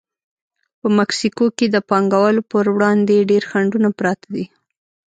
په مکسیکو کې د پانګوالو پر وړاندې ډېر خنډونه پراته دي.